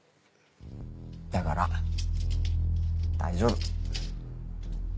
だから大丈夫。